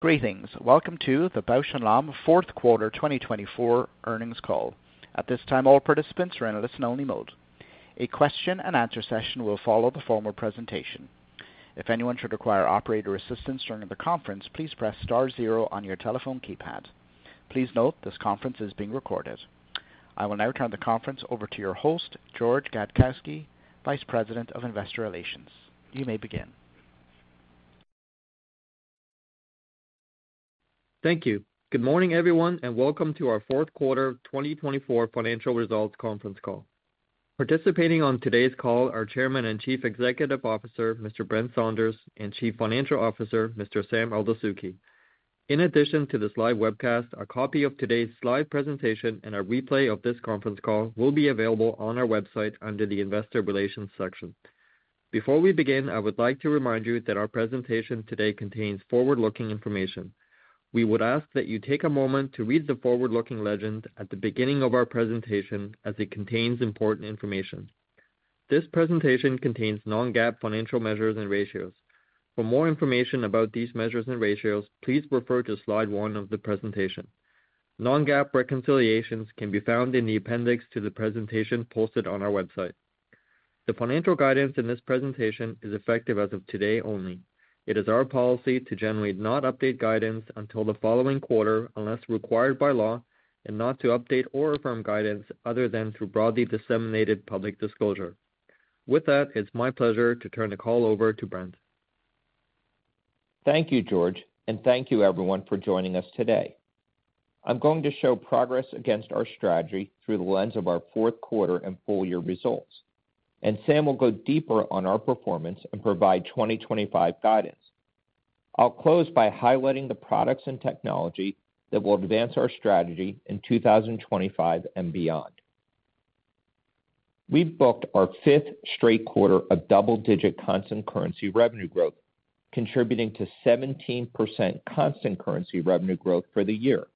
Greetings. Welcome to the Bausch + Lomb 4th Quarter 2024 earnings call. At this time, all participants are in a listen-only mode. A question-and-answer session will follow the formal presentation. If anyone should require operator assistance during the conference, please press star zero on your telephone keypad. Please note this conference is being recorded. I will now turn the conference over to your host, George Gadkowski, Vice President of Investor Relations. You may begin. Thank you. Good morning, everyone, and welcome to our 4th Quarter 2024 financial results conference call. Participating on today's call are Chairman and Chief Executive Officer Mr. Brent Saunders and Chief Financial Officer Mr. Sam Eldessouky. In addition to this live webcast, a copy of today's live presentation and a replay of this conference call will be available on our website under the Investor Relations section. Before we begin, I would like to remind you that our presentation today contains forward-looking information. We would ask that you take a moment to read the forward-looking legend at the beginning of our presentation as it contains important information. This presentation contains non-GAAP financial measures and ratios. For more information about these measures and ratios, please refer to slide one of the presentation. Non-GAAP reconciliations can be found in the appendix to the presentation posted on our website. The financial guidance in this presentation is effective as of today only. It is our policy to generally not update guidance until the following quarter unless required by law and not to update or affirm guidance other than through broadly disseminated public disclosure. With that, it's my pleasure to turn the call over to Brent. Thank you, George, and thank you, everyone, for joining us today. I'm going to show progress against our strategy through the lens of our 4th quarter and full-year results, and Sam will go deeper on our performance and provide 2025 guidance. I'll close by highlighting the products and technology that will advance our strategy in 2025 and beyond. We've booked our fifth straight quarter of double-digit constant currency revenue growth, contributing to 17% constant currency revenue growth for the year.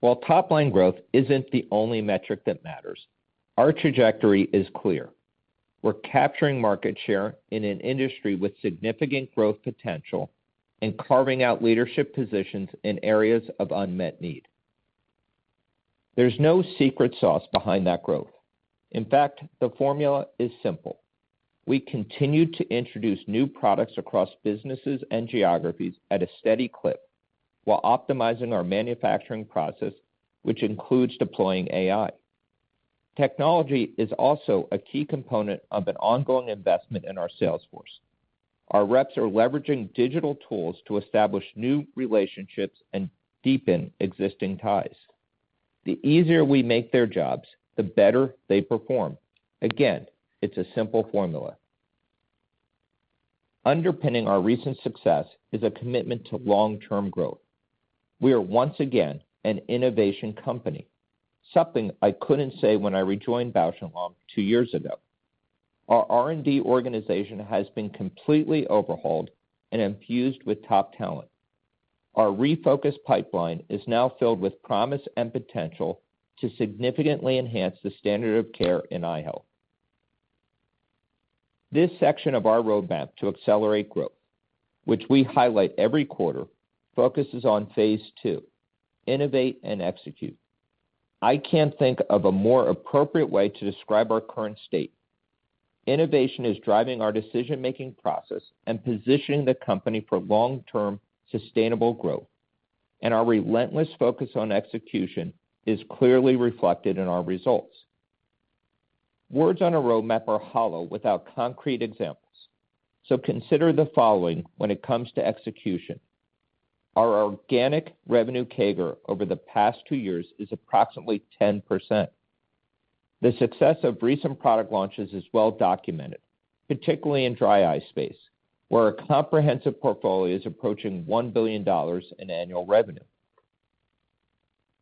While top-line growth isn't the only metric that matters, our trajectory is clear. We're capturing market share in an industry with significant growth potential and carving out leadership positions in areas of unmet need. There's no secret sauce behind that growth. In fact, the formula is simple. We continue to introduce new products across businesses and geographies at a steady clip while optimizing our manufacturing process, which includes deploying AI. Technology is also a key component of an ongoing investment in our sales force. Our reps are leveraging digital tools to establish new relationships and deepen existing ties. The easier we make their jobs, the better they perform. Again, it's a simple formula. Underpinning our recent success is a commitment to long-term growth. We are once again an innovation company, something I couldn't say when I rejoined Bausch + Lomb two years ago. Our R&D organization has been completely overhauled and infused with top talent. Our refocused pipeline is now filled with promise and potential to significantly enhance the standard of care in eye health. This section of our roadmap to accelerate growth, which we highlight every quarter, focuses on phase II, Innovate and Execute. I can't think of a more appropriate way to describe our current state. Innovation is driving our decision-making process and positioning the company for long-term sustainable growth, and our relentless focus on execution is clearly reflected in our results. Words on a roadmap are hollow without concrete examples, so consider the following when it comes to execution. Our organic revenue CAGR over the past two years is approximately 10%. The success of recent product launches is well documented, particularly in dry eye space, where a comprehensive portfolio is approaching $1 billion in annual revenue.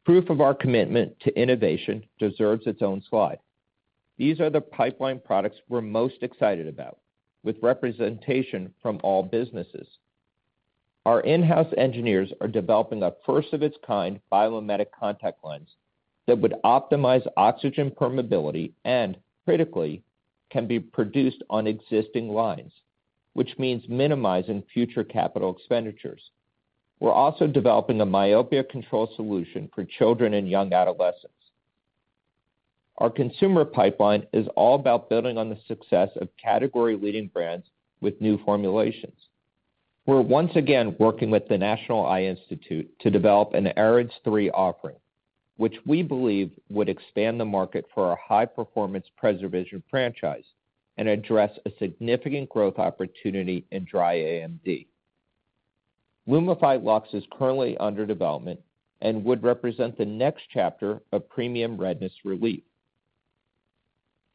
Proof of our commitment to innovation deserves its own slide. These are the pipeline products we're most excited about, with representation from all businesses. Our in-house engineers are developing a first-of-its-kind biomimetic contact lens that would optimize oxygen permeability and, critically, can be produced on existing lines, which means minimizing future capital expenditures. We're also developing a myopia control solution for children and young adolescents. Our consumer pipeline is all about building on the success of category-leading brands with new formulations. We're once again working with the National Eye Institute to develop an AREDS 3 offering, which we believe would expand the market for our high-performance PreserVision franchise and address a significant growth opportunity in dry AMD. LUMIFY Lux is currently under development and would represent the next chapter of premium redness relief.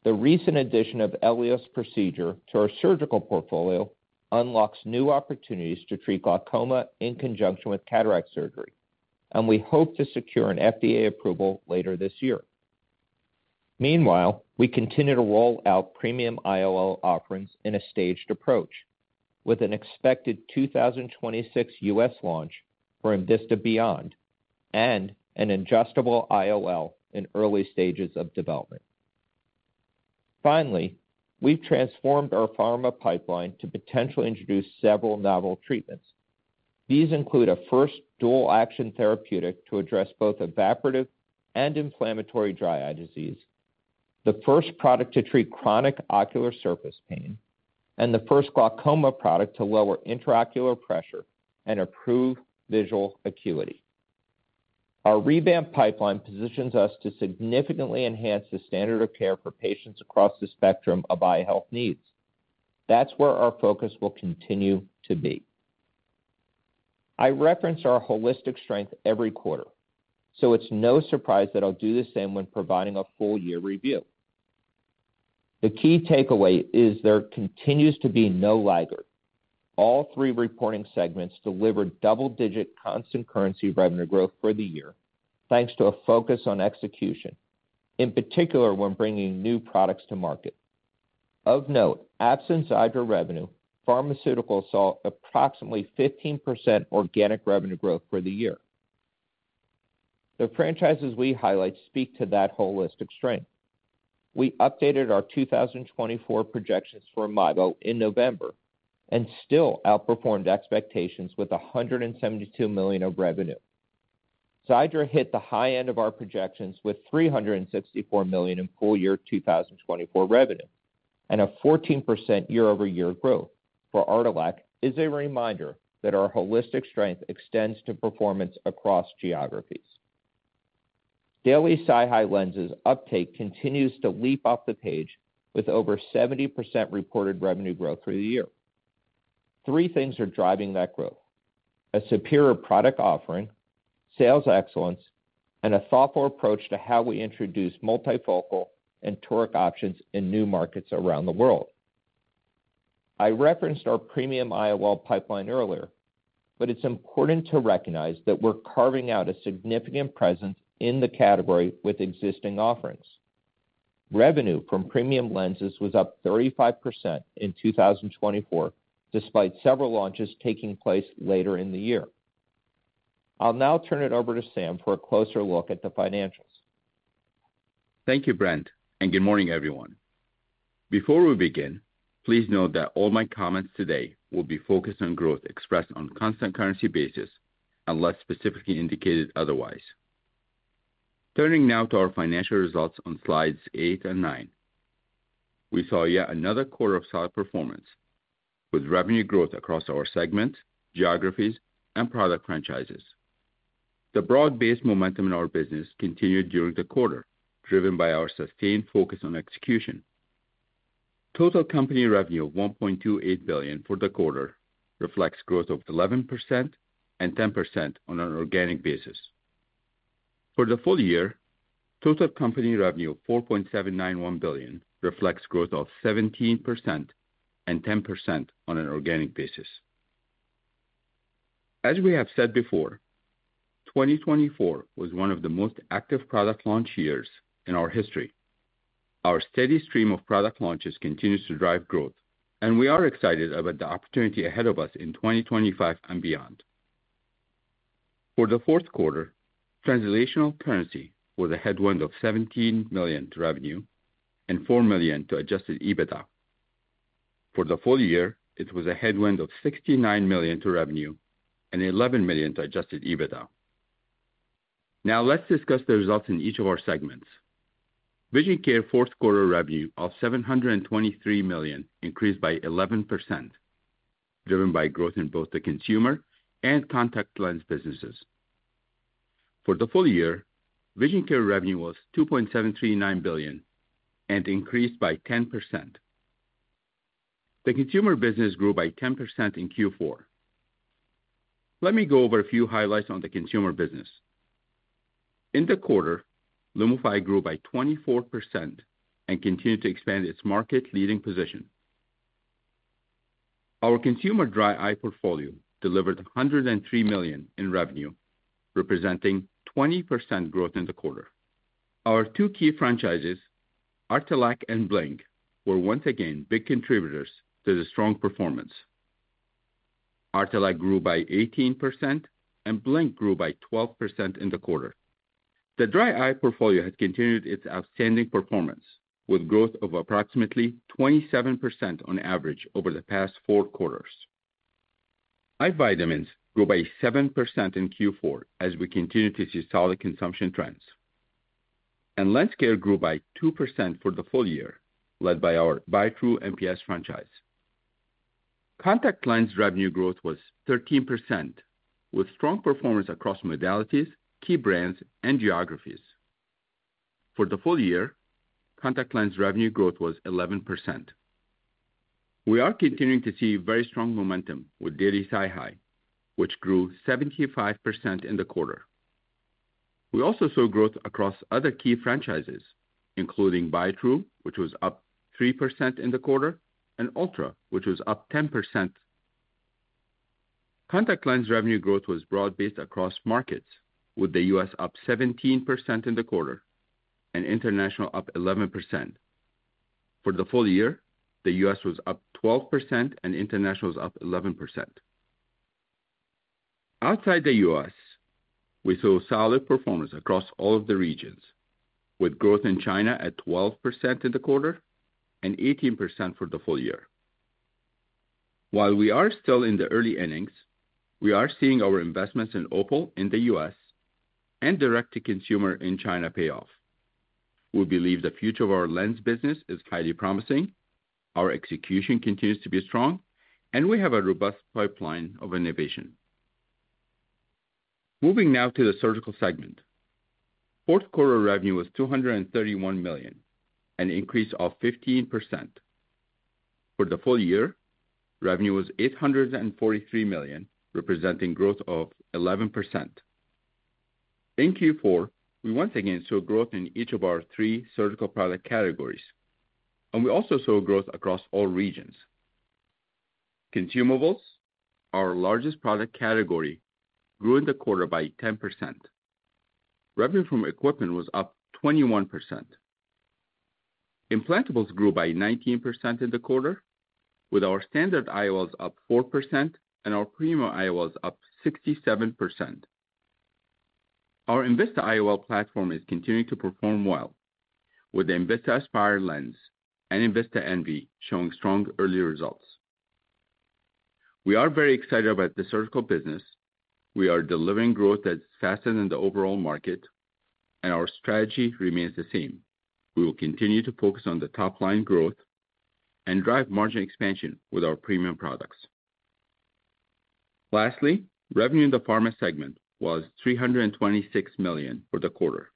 The recent addition of Elios Procedure to our surgical portfolio unlocks new opportunities to treat glaucoma in conjunction with cataract surgery, and we hope to secure an FDA approval later this year. Meanwhile, we continue to roll out premium IOL offerings in a staged approach, with an expected 2026 U.S. launch for enVista Beyond and an adjustable IOL in early stages of development. Finally, we've transformed our pharma pipeline to potentially introduce several novel treatments. These include a first dual-action therapeutic to address both evaporative and inflammatory dry eye disease, the first product to treat chronic ocular surface pain, and the first glaucoma product to lower intraocular pressure and improve visual acuity. Our revamped pipeline positions us to significantly enhance the standard of care for patients across the spectrum of eye health needs. That's where our focus will continue to be. I reference our holistic strength every quarter, so it's no surprise that I'll do the same when providing a full-year review. The key takeaway is there continues to be no laggard. All three reporting segments delivered double-digit constant currency revenue growth for the year, thanks to a focus on execution, in particular when bringing new products to market. Of note, absent Xiidra revenue, pharmaceuticals saw approximately 15% organic revenue growth for the year. The franchises we highlight speak to that holistic strength. We updated our 2024 projections for MIEBO in November and still outperformed expectations with $172 million of revenue. Xiidra hit the high end of our projections with $364 million in full-year 2024 revenue and a 14% year-over-year growth. For Artelac, it is a reminder that our holistic strength extends to performance across geographies. Daily SiHy lenses uptake continues to leap off the page with over 70% reported revenue growth for the year. Three things are driving that growth: a superior product offering, sales excellence, and a thoughtful approach to how we introduce multifocal and toric options in new markets around the world. I referenced our premium IOL pipeline earlier, but it's important to recognize that we're carving out a significant presence in the category with existing offerings. Revenue from premium lenses was up 35% in 2024, despite several launches taking place later in the year. I'll now turn it over to Sam for a closer look at the financials. Thank you, Brent, and good morning, everyone. Before we begin, please note that all my comments today will be focused on growth expressed on a constant currency basis unless specifically indicated otherwise. Turning now to our financial results on slides eight and nine, we saw yet another quarter of solid performance with revenue growth across our segment, geographies, and product franchises. The broad-based momentum in our business continued during the quarter, driven by our sustained focus on execution. Total company revenue of $1.28 billion for the quarter reflects growth of 11% and 10% on an organic basis. For the full year, total company revenue of $4.791 billion reflects growth of 17% and 10% on an organic basis. As we have said before, 2024 was one of the most active product launch years in our history. Our steady stream of product launches continues to drive growth, and we are excited about the opportunity ahead of us in 2025 and beyond. For the 4th quarter, currency translation was a headwind of $17 million to revenue and $4 million to Adjusted EBITDA. For the full year, it was a headwind of $69 million to revenue and $11 million to Adjusted EBITDA. Now, let's discuss the results in each of our segments. Vision Care 4th quarter revenue of $723 million increased by 11%, driven by growth in both the consumer and contact lens businesses. For the full year, Vision Care revenue was $2.739 billion and increased by 10%. The consumer business grew by 10% in Q4. Let me go over a few highlights on the consumer business. In the quarter, LUMIFY grew by 24% and continued to expand its market-leading position. Our consumer dry eye portfolio delivered $103 million in revenue, representing 20% growth in the quarter. Our two key franchises, Artelac and Blink, were once again big contributors to the strong performance. Artelac grew by 18%, and Blink grew by 12% in the quarter. The dry eye portfolio has continued its outstanding performance, with growth of approximately 27% on average over the past four quarters. Eye vitamins grew by 7% in Q4 as we continue to see solid consumption trends, and lens care grew by 2% for the full year, led by our Biotrue MPS franchise. Contact lens revenue growth was 13%, with strong performance across modalities, key brands, and geographies. For the full year, contact lens revenue growth was 11%. We are continuing to see very strong momentum with Daily SiHy, which grew 75% in the quarter. We also saw growth across other key franchises, including Biotrue, which was up 3% in the quarter, and Ultra, which was up 10%. Contact lens revenue growth was broad-based across markets, with the U.S. up 17% in the quarter and international up 11%. For the full year, the U.S. was up 12% and international was up 11%. Outside the U.S., we saw solid performance across all of the regions, with growth in China at 12% in the quarter and 18% for the full year. While we are still in the early innings, we are seeing our investments in Opal in the U.S. and direct-to-consumer in China pay off. We believe the future of our lens business is highly promising, our execution continues to be strong, and we have a robust pipeline of innovation. Moving now to the surgical segment. 4th quarter revenue was $231 million, an increase of 15%. For the full year, revenue was $843 million, representing growth of 11%. In Q4, we once again saw growth in each of our three surgical product categories, and we also saw growth across all regions. Consumables, our largest product category, grew in the quarter by 10%. Revenue from equipment was up 21%. Implantables grew by 19% in the quarter, with our standard IOLs up 4% and our premium IOLs up 67%. Our enVista IOL platform is continuing to perform well, with the enVista Aspire lens and enVista Envy showing strong early results. We are very excited about the surgical business. We are delivering growth that's faster than the overall market, and our strategy remains the same. We will continue to focus on the top-line growth and drive margin expansion with our premium products. Lastly, revenue in the pharma segment was $326 million for the quarter,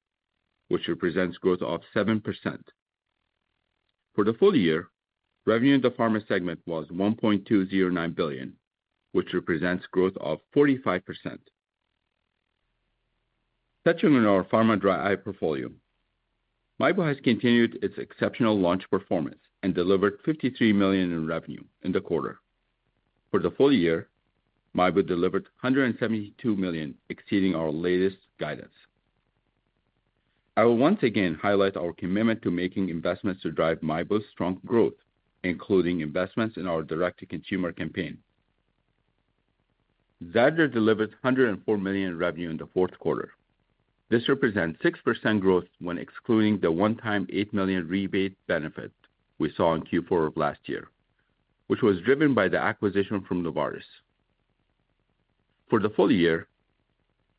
which represents growth of 7%. For the full year, revenue in the pharma segment was $1.209 billion, which represents growth of 45%. Touching on our pharma dry eye portfolio, MIEBO has continued its exceptional launch performance and delivered $53 million in revenue in the quarter. For the full year, MIEBO delivered $172 million, exceeding our latest guidance. I will once again highlight our commitment to making investments to drive MIEBO's strong growth, including investments in our direct-to-consumer campaign. Xiidra delivered $104 million in revenue in the 4th quarter. This represents 6% growth when excluding the one-time $8 million rebate benefit we saw in Q4 of last year, which was driven by the acquisition from Novartis. For the full year,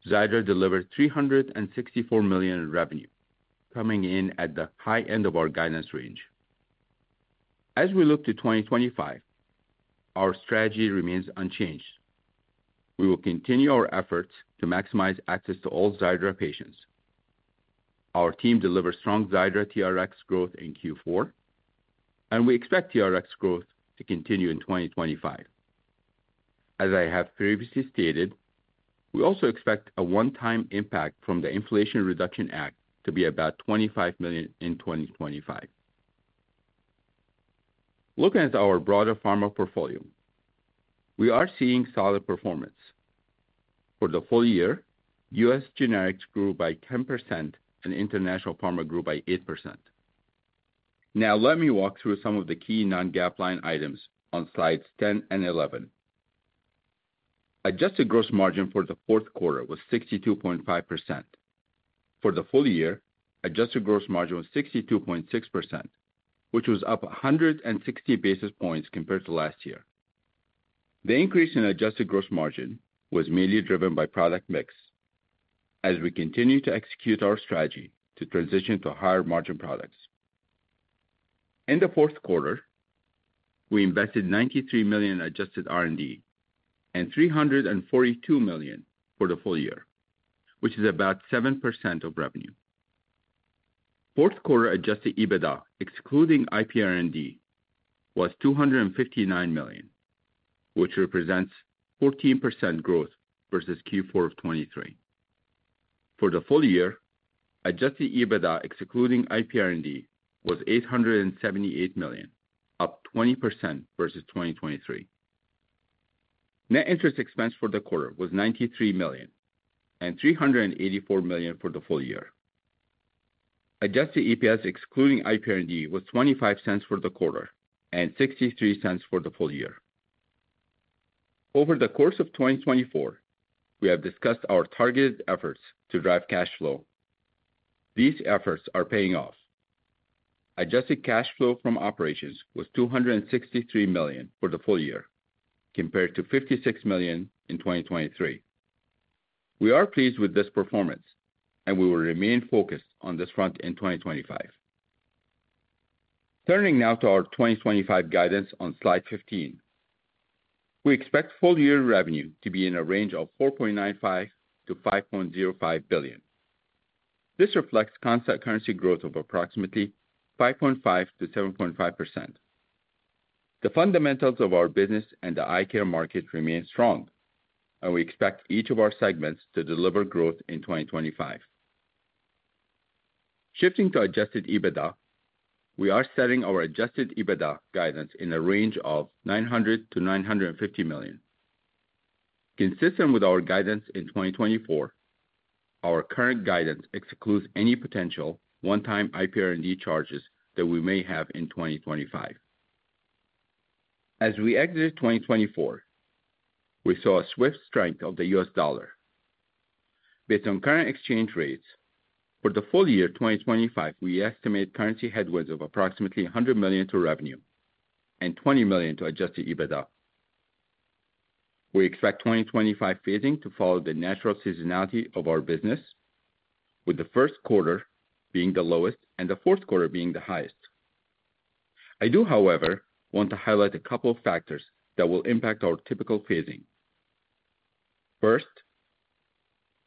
Xiidra delivered $364 million in revenue, coming in at the high end of our guidance range. As we look to 2025, our strategy remains unchanged. We will continue our efforts to maximize access to all Xiidra patients. Our team delivered strong Xiidra TRx growth in Q4, and we expect TRx growth to continue in 2025. As I have previously stated, we also expect a one-time impact from the Inflation Reduction Act to be about $25 million in 2025. Looking at our broader pharma portfolio, we are seeing solid performance. For the full year, U.S. generics grew by 10% and international pharma grew by 8%. Now, let me walk through some of the key non-GAAP line items on slides 10 and 11. Adjusted gross margin for the 4th quarter was 62.5%. For the full year, adjusted gross margin was 62.6%, which was up 160 basis points compared to last year. The increase in adjusted gross margin was mainly driven by product mix, as we continue to execute our strategy to transition to higher margin products. In the 4th quarter, we invested $93 million adjusted R&D and $342 million for the full year, which is about 7% of revenue. 4th quarter adjusted EBITDA, excluding IPR&D, was $259 million, which represents 14% growth versus Q4 of 2023. For the full year, adjusted EBITDA, excluding IPR&D, was $878 million, up 20% versus 2023. Net interest expense for the quarter was $93 million and $384 million for the full year. Adjusted EPS, excluding IPR&D, was $0.25 for the quarter and $0.63 for the full year. Over the course of 2024, we have discussed our targeted efforts to drive cash flow. These efforts are paying off. Adjusted cash flow from operations was $263 million for the full year, compared to $56 million in 2023. We are pleased with this performance, and we will remain focused on this front in 2025. Turning now to our 2025 guidance on slide 15, we expect full-year revenue to be in a range of $4.95-$5.05 billion. This reflects constant currency growth of approximately 5.5%-7.5%. The fundamentals of our business and the eye care market remain strong, and we expect each of our segments to deliver growth in 2025. Shifting to adjusted EBITDA, we are setting our adjusted EBITDA guidance in a range of $900-$950 million. Consistent with our guidance in 2024, our current guidance excludes any potential one-time IPR&D charges that we may have in 2025. As we exit 2024, we saw a swift strength of the U.S. dollar. Based on current exchange rates, for the full year 2025, we estimate currency headwinds of approximately $100 million to revenue and $20 million to adjusted EBITDA. We expect 2025 phasing to follow the natural seasonality of our business, with the 1st quarter being the lowest and the 4th quarter being the highest. I do, however, want to highlight a couple of factors that will impact our typical phasing. First,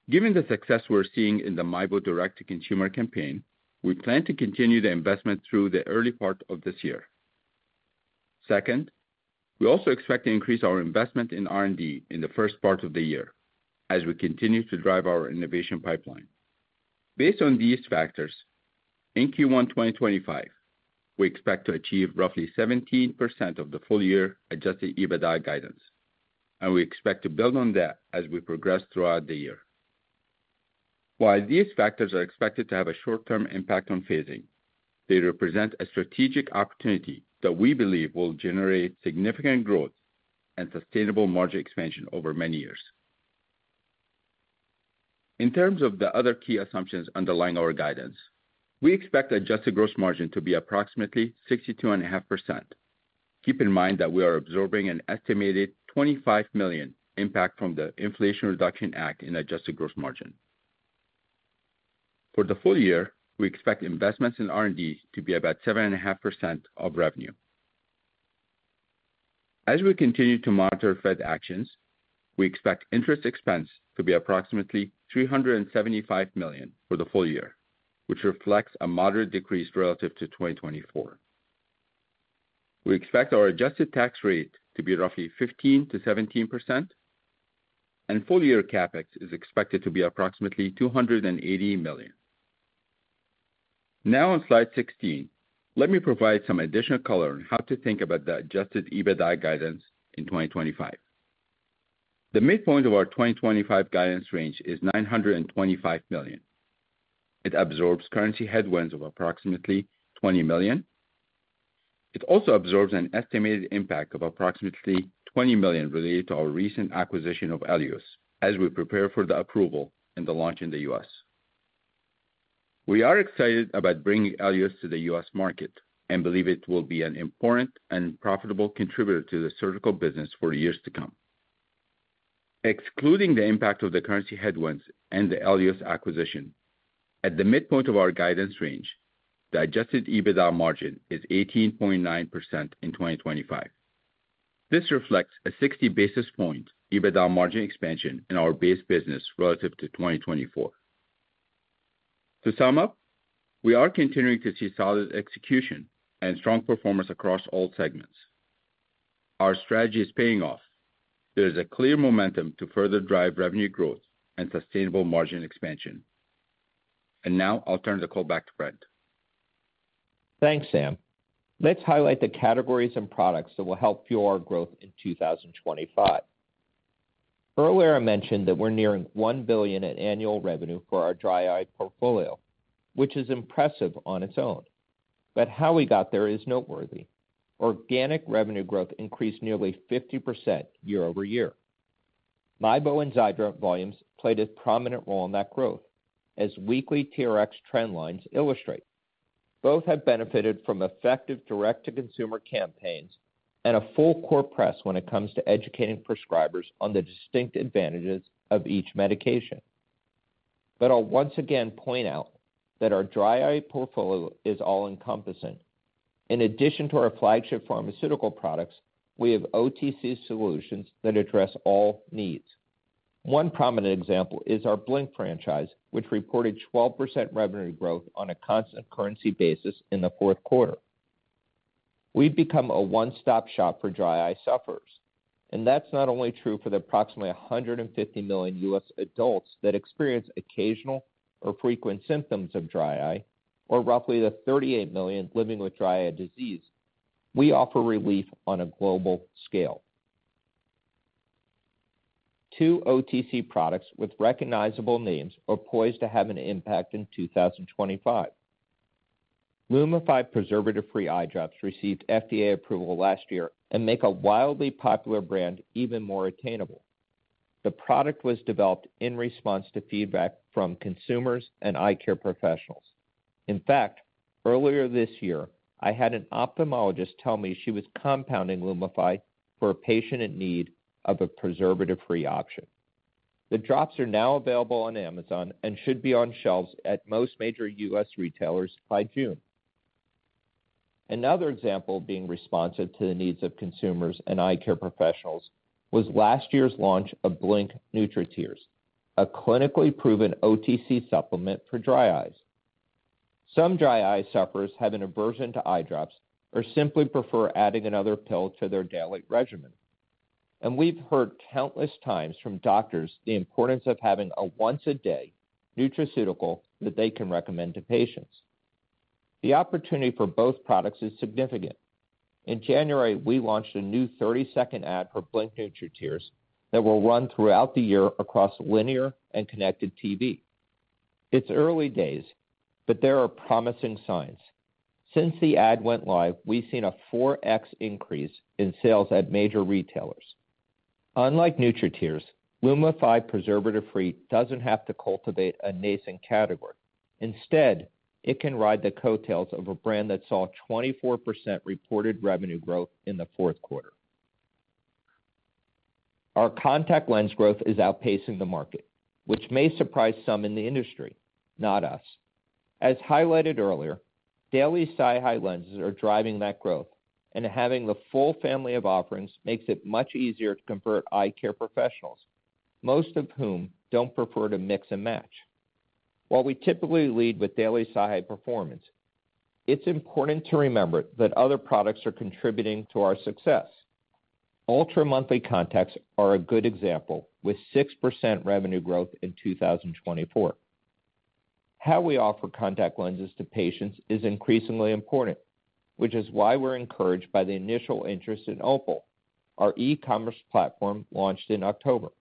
given the success we're seeing in the MIEBO direct-to-consumer campaign, we plan to continue the investment through the early part of this year. Second, we also expect to increase our investment in R&D in the first part of the year as we continue to drive our innovation pipeline. Based on these factors, in Q1 2025, we expect to achieve roughly 17% of the full-year Adjusted EBITDA guidance, and we expect to build on that as we progress throughout the year. While these factors are expected to have a short-term impact on phasing, they represent a strategic opportunity that we believe will generate significant growth and sustainable margin expansion over many years. In terms of the other key assumptions underlying our guidance, we expect adjusted gross margin to be approximately 62.5%. Keep in mind that we are absorbing an estimated $25 million impact from the Inflation Reduction Act in adjusted gross margin. For the full year, we expect investments in R&D to be about 7.5% of revenue. As we continue to monitor Fed actions, we expect interest expense to be approximately $375 million for the full year, which reflects a moderate decrease relative to 2024. We expect our adjusted tax rate to be roughly 15%-17%, and full-year CapEx is expected to be approximately $280 million. Now, on slide 16, let me provide some additional color on how to think about the adjusted EBITDA guidance in 2025. The midpoint of our 2025 guidance range is $925 million. It absorbs currency headwinds of approximately $20 million. It also absorbs an estimated impact of approximately $20 million related to our recent acquisition of Elios as we prepare for the approval and the launch in the U.S. We are excited about bringing Elios to the U.S. market and believe it will be an important and profitable contributor to the surgical business for years to come. Excluding the impact of the currency headwinds and the Elios acquisition, at the midpoint of our guidance range, the adjusted EBITDA margin is 18.9% in 2025. This reflects a 60 basis points EBITDA margin expansion in our base business relative to 2024. To sum up, we are continuing to see solid execution and strong performance across all segments. Our strategy is paying off. There is a clear momentum to further drive revenue growth and sustainable margin expansion. Now, I'll turn the call back to Brent. Thanks, Sam. Let's highlight the categories and products that will help fuel our growth in 2025. Earlier, I mentioned that we're nearing $1 billion in annual revenue for our dry eye portfolio, which is impressive on its own. But how we got there is noteworthy. Organic revenue growth increased nearly 50% year over year. MIEBO and Xiidra volumes played a prominent role in that growth, as weekly TRx trend lines illustrate. Both have benefited from effective direct-to-consumer campaigns and a full court press when it comes to educating prescribers on the distinct advantages of each medication. But I'll once again point out that our dry eye portfolio is all-encompassing. In addition to our flagship pharmaceutical products, we have OTC solutions that address all needs. One prominent example is our Blink franchise, which reported 12% revenue growth on a constant currency basis in the 4th quarter. We've become a one-stop shop for dry eye sufferers. And that's not only true for the approximately 150 million U.S. adults that experience occasional or frequent symptoms of dry eye, or roughly the 38 million living with dry eye disease. We offer relief on a global scale. Two OTC products with recognizable names are poised to have an impact in 2025. LUMIFY preservative-free eye drops received FDA approval last year and make a wildly popular brand even more attainable. The product was developed in response to feedback from consumers and eye care professionals. In fact, earlier this year, I had an ophthalmologist tell me she was compounding LUMIFY for a patient in need of a preservative-free option. The drops are now available on Amazon and should be on shelves at most major U.S. retailers by June. Another example of being responsive to the needs of consumers and eye care professionals was last year's launch of Blink NutriTears, a clinically proven OTC supplement for dry eyes. Some dry eye sufferers have an aversion to eye drops or simply prefer adding another pill to their daily regimen, and we've heard countless times from doctors the importance of having a once-a-day nutraceutical that they can recommend to patients. The opportunity for both products is significant. In January, we launched a new 30-second ad for Blink NutriTears that will run throughout the year across linear and connected TV. It's early days, but there are promising signs. Since the ad went live, we've seen a 4x increase in sales at major retailers. Unlike NutriTears, LUMIFY preservative-free doesn't have to cultivate a nascent category. Instead, it can ride the coattails of a brand that saw 24% reported revenue growth in the 4th quarter. Our contact lens growth is outpacing the market, which may surprise some in the industry, not us. As highlighted earlier, daily SiHy lenses are driving that growth, and having the full family of offerings makes it much easier to convert eye care professionals, most of whom don't prefer to mix and match. While we typically lead with daily SiHy performance, it's important to remember that other products are contributing to our success. Ultra monthly contacts are a good example with 6% revenue growth in 2024. How we offer contact lenses to patients is increasingly important, which is why we're encouraged by the initial interest in Opal, our e-commerce platform launched in October.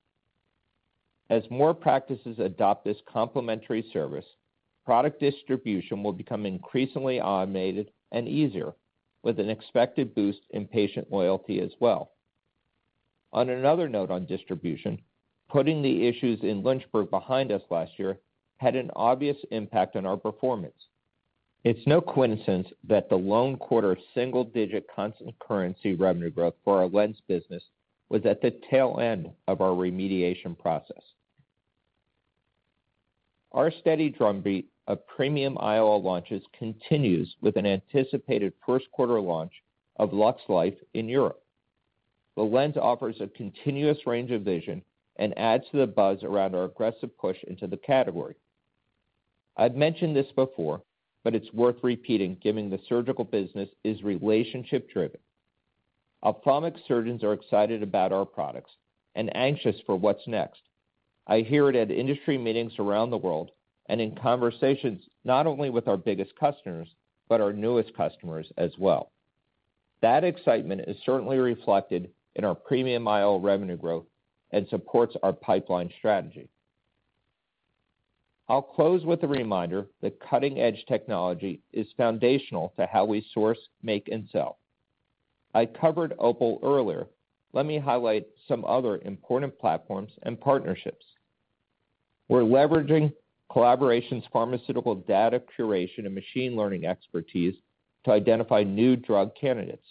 As more practices adopt this complementary service, product distribution will become increasingly automated and easier, with an expected boost in patient loyalty as well. On another note on distribution, putting the issues in Lynchburg behind us last year had an obvious impact on our performance. It's no coincidence that the lone quarter single-digit constant currency revenue growth for our lens business was at the tail end of our remediation process. Our steady drumbeat of premium eyewear launches continues with an anticipated 1st quarter launch of LuxSmart in Europe. The lens offers a continuous range of vision and adds to the buzz around our aggressive push into the category. I've mentioned this before, but it's worth repeating given the surgical business is relationship-driven. Ophthalmic surgeons are excited about our products and anxious for what's next. I hear it at industry meetings around the world and in conversations not only with our biggest customers, but our newest customers as well. That excitement is certainly reflected in our premium eyewear revenue growth and supports our pipeline strategy. I'll close with a reminder that cutting-edge technology is foundational to how we source, make, and sell. I covered Opal earlier. Let me highlight some other important platforms and partnerships. We're leveraging collaborations, pharmaceutical data curation, and machine learning expertise to identify new drug candidates.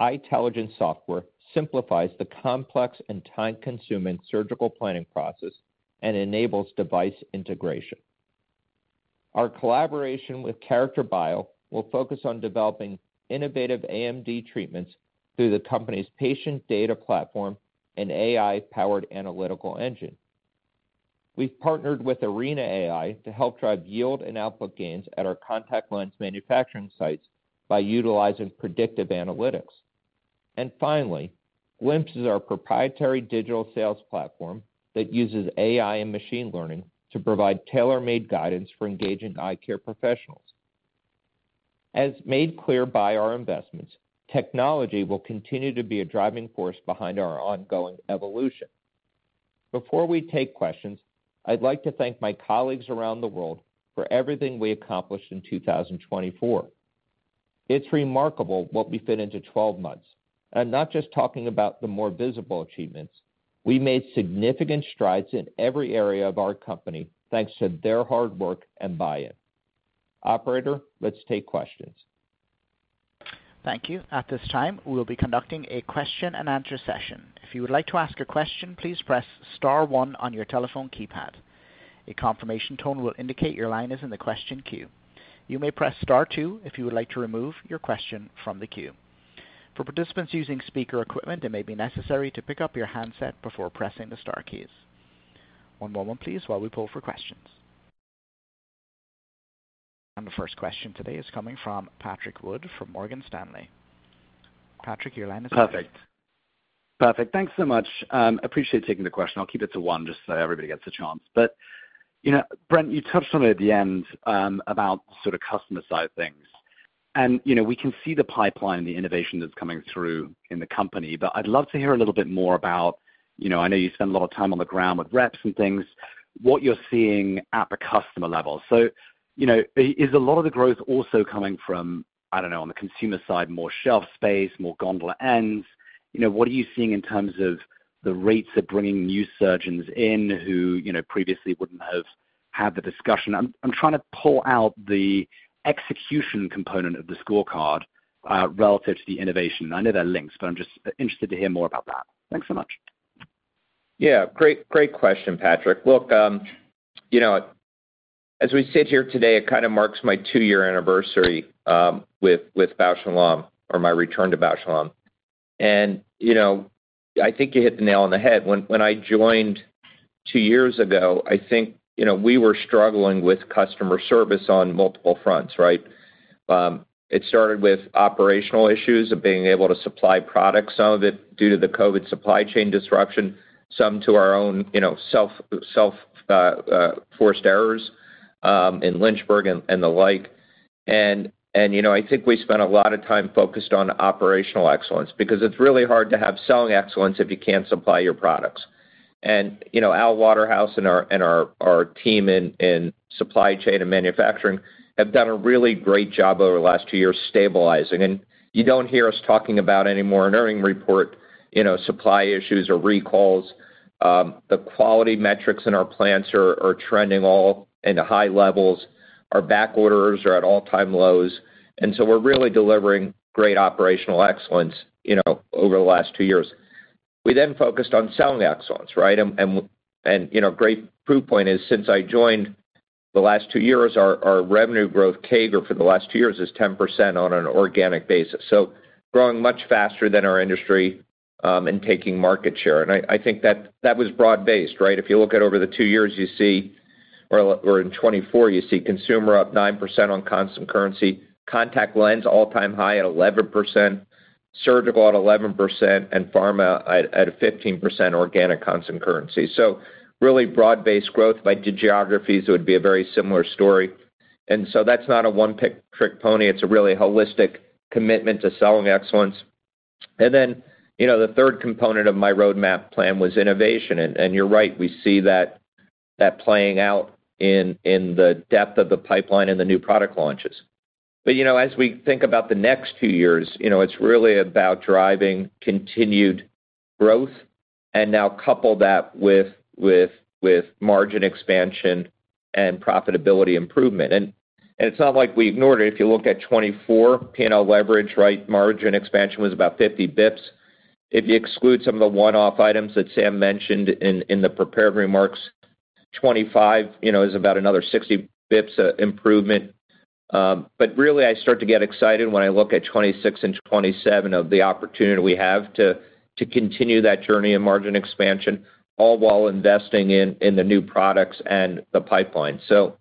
EyeTELLIGENCE software simplifies the complex and time-consuming surgical planning process and enables device integration. Our collaboration with Character Biosciences will focus on developing innovative AMD treatments through the company's patient data platform and AI-powered analytical engine. We've partnered with Arena AI to help drive yield and output gains at our contact lens manufacturing sites by utilizing predictive analytics. And finally, Glimpse is our proprietary digital sales platform that uses AI and machine learning to provide tailor-made guidance for engaging eye care professionals. As made clear by our investments, technology will continue to be a driving force behind our ongoing evolution. Before we take questions, I'd like to thank my colleagues around the world for everything we accomplished in 2024. It's remarkable what we fit into 12 months. And I'm not just talking about the more visible achievements. We made significant strides in every area of our company thanks to their hard work and buy-in. Operator, let's take questions. Thank you. At this time, we'll be conducting a question-and-answer session. If you would like to ask a question, please press Star one on your telephone keypad. A confirmation tone will indicate your line is in the question queue. You may press Star two if you would like to remove your question from the queue. For participants using speaker equipment, it may be necessary to pick up your handset before pressing the Star keys. One moment, please, while we poll for questions. And the first question today is coming from Patrick Wood from Morgan Stanley. Patrick, your line is here. Perfect. Perfect. Thanks so much. Appreciate taking the question. I'll keep it to one just so that everybody gets a chance. But Brent, you touched on it at the end about sort of customer-side things. And we can see the pipeline and the innovation that's coming through in the company. But I'd love to hear a little bit more about. I know you spend a lot of time on the ground with reps and things, what you're seeing at the customer level. So is a lot of the growth also coming from, I don't know, on the consumer side, more shelf space, more gondola ends? What are you seeing in terms of the rates of bringing new surgeons in who previously wouldn't have had the discussion? I'm trying to pull out the execution component of the scorecard relative to the innovation. I know they're links, but I'm just interested to hear more about that. Thanks so much. Yeah. Great question, Patrick. Look, as we sit here today, it kind of marks my two-year anniversary with Bausch + Lomb, or my return to Bausch + Lomb. And I think you hit the nail on the head. When I joined two years ago, I think we were struggling with customer service on multiple fronts, right? It started with operational issues of being able to supply products, some of it due to the COVID supply chain disruption, some to our own self-forced errors in Lynchburg and the like. And I think we spent a lot of time focused on operational excellence because it's really hard to have selling excellence if you can't supply your products. And Al Waterhouse and our team in supply chain and manufacturing have done a really great job over the last two years stabilizing. And you don't hear us talking about any more in earnings report supply issues or recalls. The quality metrics in our plants are trending all in the high levels. Our back orders are at all-time lows. And so we're really delivering great operational excellence over the last two years. We then focused on selling excellence, right? A great proof point is since I joined the last two years, our revenue growth CAGR for the last two years is 10% on an organic basis. Growing much faster than our industry and taking market share. I think that was broad-based, right? If you look at over the two years, you see, or in 2024, you see consumer up 9% on constant currency, contact lens all-time high at 11%, surgical at 11%, and pharma at a 15% organic constant currency. Really broad-based growth by geographies, it would be a very similar story. That's not a one-trick pony. It's a really holistic commitment to selling excellence. Then the third component of my roadmap plan was innovation. You're right, we see that playing out in the depth of the pipeline and the new product launches. But as we think about the next two years, it's really about driving continued growth and now couple that with margin expansion and profitability improvement. And it's not like we ignored it. If you look at 2024, P&L leverage, right, margin expansion was about 50 basis points. If you exclude some of the one-off items that Sam mentioned in the prepared remarks, 2025 is about another 60 basis points improvement. But really, I start to get excited when I look at 2026 and 2027 of the opportunity we have to continue that journey and margin expansion, all while investing in the new products and the pipeline. So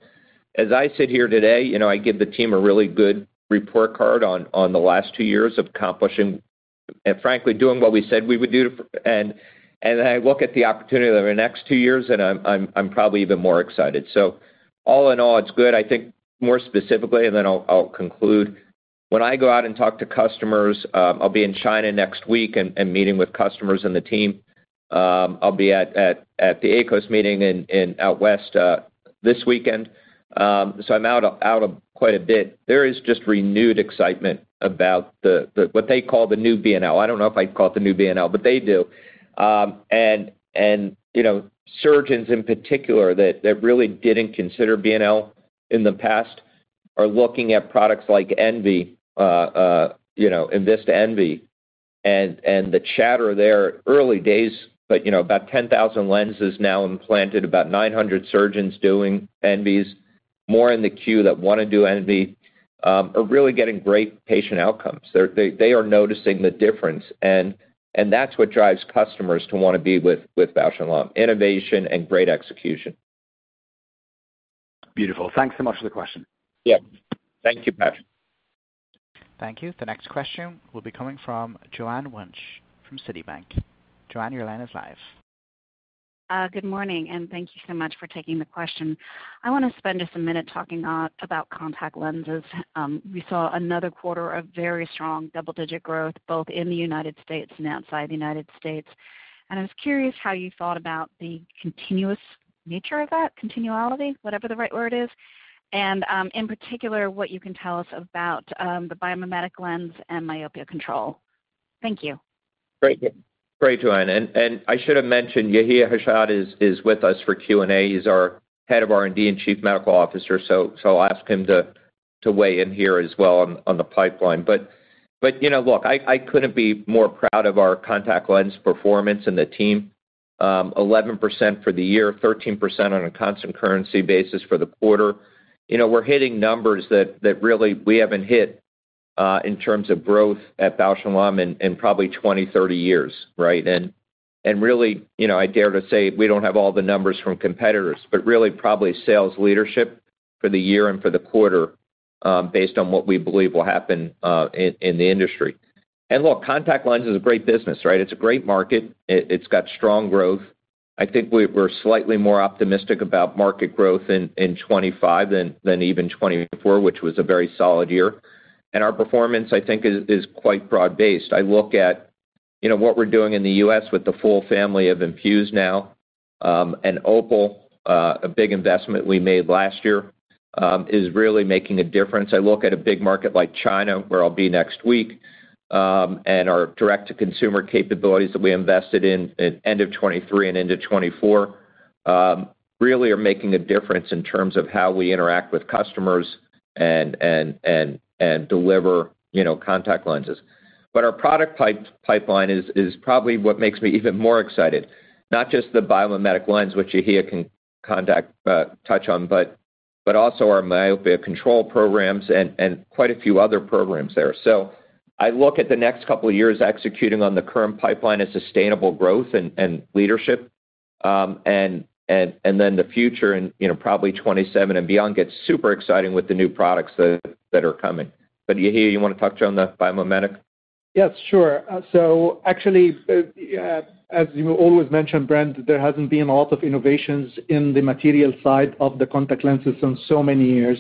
as I sit here today, I give the team a really good report card on the last two years of accomplishing, frankly, doing what we said we would do. And then I look at the opportunity of the next two years, and I'm probably even more excited. So all in all, it's good. I think more specifically, and then I'll conclude. When I go out and talk to customers, I'll be in China next week and meeting with customers and the team. I'll be at the ASCRS meeting out west this weekend. So I'm out quite a bit. There is just renewed excitement about what they call the new B&L. I don't know if I'd call it the new B&L, but they do. And surgeons in particular that really didn't consider B&L in the past are looking at products like enVista Envy, enVista Envy, and the chatter there, early days, but about 10,000 lenses now implanted, about 900 surgeons doing enVista Envys, more in the queue that want to do enVista Envy, are really getting great patient outcomes. They are noticing the difference. And that's what drives customers to want to be with Bausch + Lomb: innovation and great execution. Beautiful. Thanks so much for the question. Yep. Thank you, Patrick. Thank you. The next question will be coming from Joanne Wuensch from Citibank. Joanne, your line is live. Good morning, and thank you so much for taking the question. I want to spend just a minute talking about contact lenses. We saw another quarter of very strong double-digit growth both in the United States and outside the United States. And I was curious how you thought about the continuous nature of that, continuality, whatever the right word is, and in particular, what you can tell us about the biomimetic lens and myopia control. Thank you. Great. Great, Joanne. And I should have mentioned Yehia Hashad is with us for Q&A. He's our head of R&D and chief medical officer. So I'll ask him to weigh in here as well on the pipeline. But look, I couldn't be more proud of our contact lens performance and the team: 11% for the year, 13% on a constant currency basis for the quarter. We're hitting numbers that really we haven't hit in terms of growth at Bausch + Lomb in probably 20-30 years, right? And really, I dare to say we don't have all the numbers from competitors, but really probably sales leadership for the year and for the quarter based on what we believe will happen in the industry. And look, contact lens is a great business, right? It's a great market. It's got strong growth. I think we're slightly more optimistic about market growth in 2025 than even 2024, which was a very solid year. And our performance, I think, is quite broad-based. I look at what we're doing in the U.S. with the full family of Infuse now and Opal, a big investment we made last year, is really making a difference. I look at a big market like China, where I'll be next week, and our direct-to-consumer capabilities that we invested in end of 2023 and into 2024 really are making a difference in terms of how we interact with customers and deliver contact lenses, but our product pipeline is probably what makes me even more excited, not just the biomimetic lens, which Yehia can touch on, but also our myopia control programs and quite a few other programs there, so I look at the next couple of years executing on the current pipeline of sustainable growth and leadership. Then the future in probably 2027 and beyond gets super exciting with the new products that are coming. But Yehia, you want to touch on the biomimetic? Yes, sure. Actually, as you always mention, Brent, there hasn't been a lot of innovations in the material side of the contact lenses in so many years.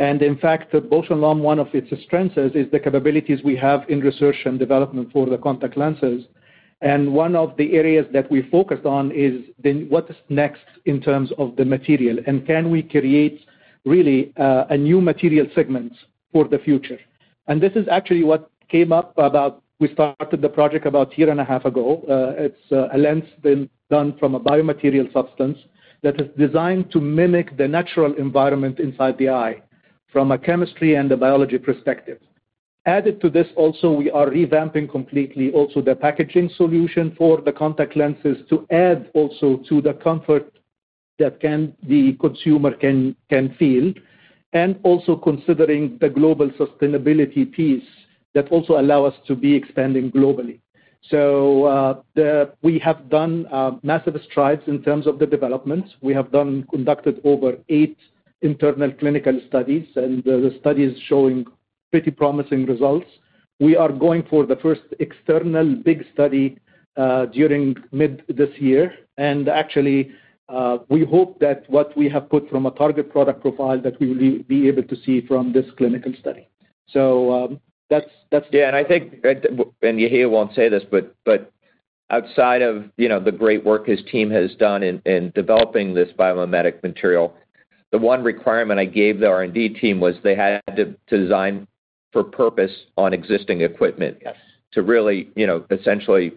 And in fact, Bausch + Lomb, one of its strengths is the capabilities we have in research and development for the contact lenses. And one of the areas that we focused on is what's next in terms of the material, and can we create really a new material segment for the future? And this is actually what came up about we started the project about a year and a half ago. It's a lens done from a biomimetic substance that is designed to mimic the natural environment inside the eye from a chemistry and a biology perspective. Added to this also, we are revamping completely also the packaging solution for the contact lenses to add also to the comfort that the consumer can feel, and also considering the global sustainability piece that also allows us to be expanding globally. So we have done massive strides in terms of the development. We have conducted over eight internal clinical studies, and the studies are showing pretty promising results. We are going for the first external big study during mid this year. And actually, we hope that what we have put from a target product profile that we will be able to see from this clinical study. So that's the. Yeah. And I think, and Yehia won't say this, but outside of the great work his team has done in developing this biomimetic material, the one requirement I gave the R&D team was they had to design for purpose on existing equipment to really essentially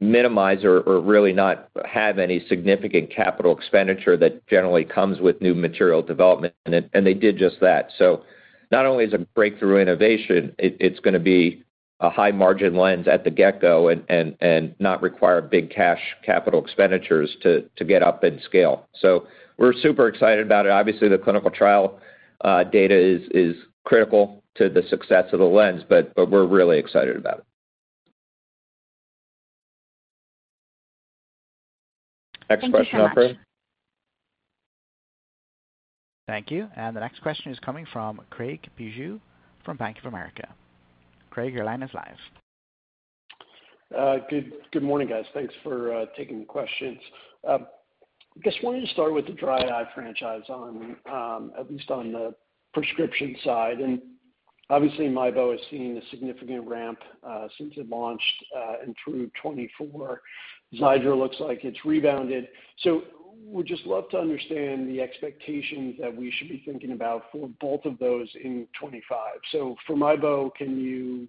minimize or really not have any significant capital expenditure that generally comes with new material development. And they did just that. So not only is it a breakthrough innovation, it's going to be a high-margin lens at the get-go and not require big cash capital expenditures to get up and scale. So we're super excited about it. Obviously, the clinical trial data is critical to the success of the lens, but we're really excited about it. Next question up for him. Thank you. And the next question is coming from Craig Bijou from Bank of America. Craig, your line is live. Good morning, guys. Thanks for taking the questions. I guess I wanted to start with the dry eye franchise, at least on the prescription side, and obviously, MIEBO has seen a significant ramp since it launched in 2024. Xiidra looks like it's rebounded, so we'd just love to understand the expectations that we should be thinking about for both of those in 2025, so for MIEBO, can you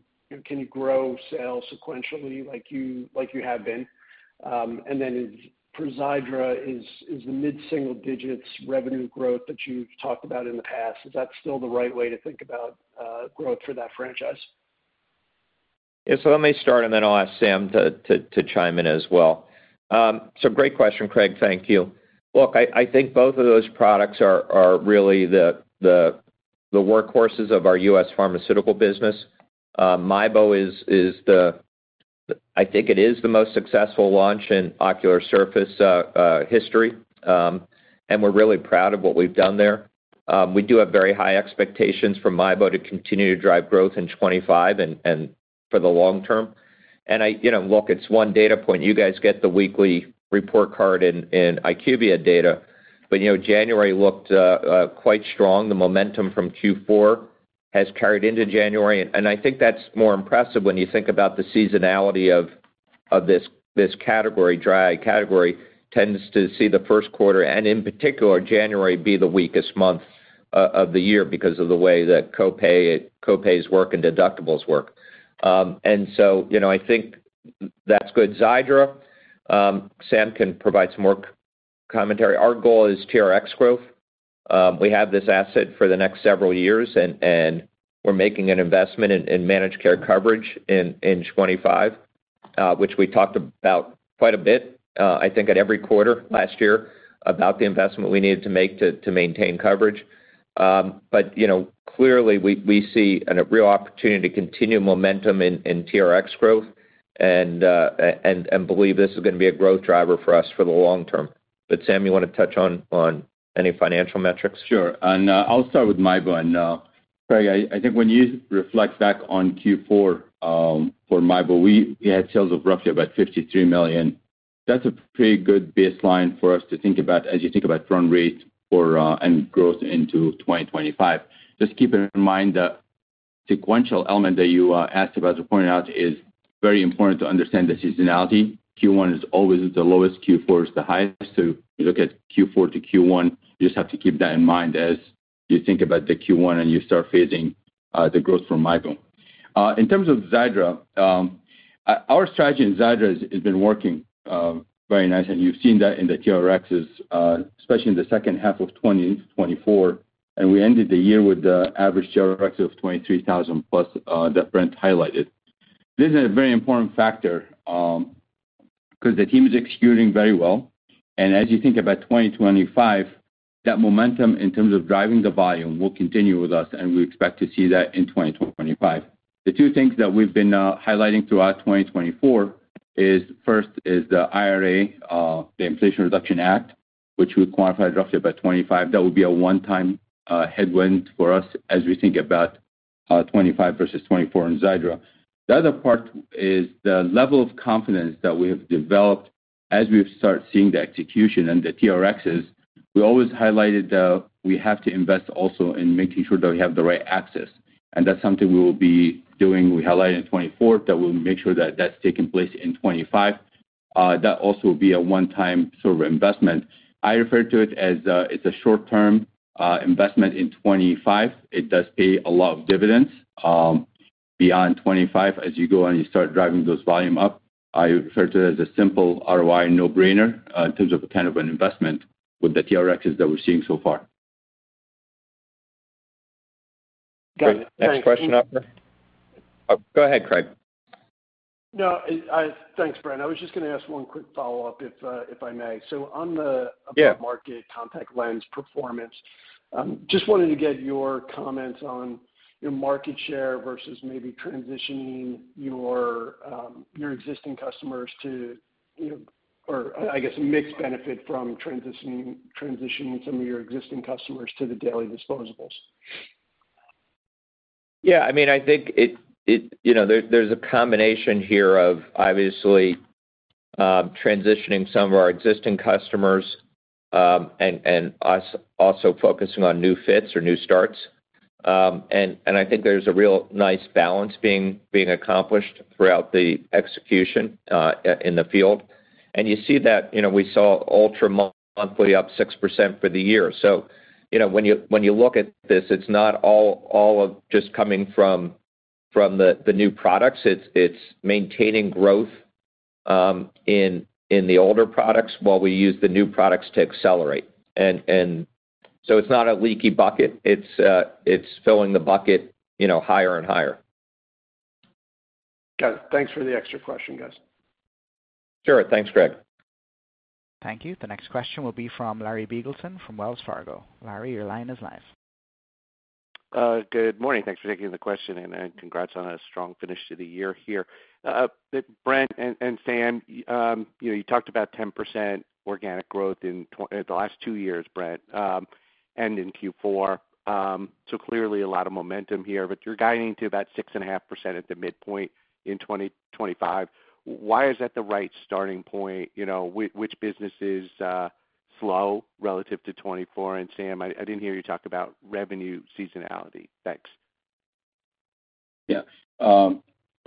grow sales sequentially like you have been? And then for Xiidra, is the mid-single digits revenue growth that you've talked about in the past, is that still the right way to think about growth for that franchise? Yeah, so let me start, and then I'll ask Sam to chime in as well, so great question, Craig. Thank you. Look, I think both of those products are really the workhorses of our U.S. pharmaceutical business. MIEBO is the—I think it is the most successful launch in ocular surface history. And we're really proud of what we've done there. We do have very high expectations for MIEBO to continue to drive growth in 2025 and for the long term. And look, it's one data point. You guys get the weekly report card in IQVIA data, but January looked quite strong. The momentum from Q4 has carried into January. And I think that's more impressive when you think about the seasonality of this category. Dry eye category tends to see the 1st quarter, and in particular, January be the weakest month of the year because of the way that copays work and deductibles work. And so I think that's good. Xiidra, Sam can provide some more commentary. Our goal is TRx growth. We have this asset for the next several years, and we're making an investment in managed care coverage in 2025, which we talked about quite a bit, I think, at every quarter last year about the investment we needed to make to maintain coverage. But clearly, we see a real opportunity to continue momentum in TRx growth and believe this is going to be a growth driver for us for the long term. But Sam, you want to touch on any financial metrics? Sure. And I'll start with MIEBO. And Craig, I think when you reflect back on Q4 for MIEBO, we had sales of roughly about $53 million. That's a pretty good baseline for us to think about as you think about growth and growth into 2025. Just keep in mind the sequential element that you asked about to point out is very important to understand the seasonality. Q1 is always the lowest, Q4 is the highest. So if you look at Q4 to Q1, you just have to keep that in mind as you think about the Q1 and you start phasing the growth for MIEBO. In terms of Xiidra, our strategy in Xiidra has been working very nice. And you've seen that in the TRxs, especially in the second half of 2020 to 2024. And we ended the year with the average TRx of 23,000+ that Brent highlighted. This is a very important factor because the team is executing very well. And as you think about 2025, that momentum in terms of driving the volume will continue with us, and we expect to see that in 2025. The two things that we've been highlighting throughout 2024 is, first, is the IRA, the Inflation Reduction Act, which we qualified roughly about 2025. That would be a one-time headwind for us as we think about 2025 versus 2024 in Xiidra. The other part is the level of confidence that we have developed as we start seeing the execution and the TRxs. We always highlighted that we have to invest also in making sure that we have the right access. And that's something we will be doing. We highlighted in 2024 that we'll make sure that that's taking place in 2025. That also will be a one-time sort of investment. I refer to it as it's a short-term investment in 2025. It does pay a lot of dividends beyond 2025 as you go and you start driving those volume up. I refer to it as a simple ROI no-brainer in terms of kind of an investment with the TRxs that we're seeing so far. Got it. Next question up for. Go ahead, Craig. No, thanks, Brent. I was just going to ask one quick follow-up, if I may. So on the above-market contact lens performance, just wanted to get your comments on your market share versus maybe transitioning your existing customers to, or I guess, a mixed benefit from transitioning some of your existing customers to the daily disposables. Yeah. I mean, I think there's a combination here of obviously transitioning some of our existing customers and us also focusing on new fits or new starts. And I think there's a real nice balance being accomplished throughout the execution in the field. And you see that we saw Ultra monthly up 6% for the year. So when you look at this, it's not all of just coming from the new products. It's maintaining growth in the older products while we use the new products to accelerate. And so it's not a leaky bucket. It's filling the bucket higher and higher. Got it. Thanks for the extra question, guys. Sure. Thanks, Craig. Thank you. The next question will be from Larry Biegelsen from Wells Fargo. Larry, your line is live. Good morning. Thanks for taking the question, and congrats on a strong finish to the year here. Brent and Sam, you talked about 10% organic growth in the last two years, Brent, and in Q4. So clearly, a lot of momentum here, but you're guiding to about 6.5% at the midpoint in 2025. Why is that the right starting point? Which businesses slow relative to 2024? And Sam, I didn't hear you talk about revenue seasonality. Thanks. Yeah.